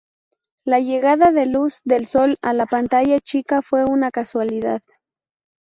La llegada de Luz del Sol a la pantalla chica fue una casualidad.